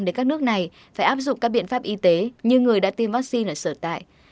để các nước này phải áp dụng các biện pháp y tế như người đã tiêm vaccine ở sở tại